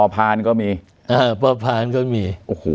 ป่อพรานก็มี